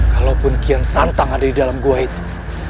kalaupun kian santang ada di dalam gua itu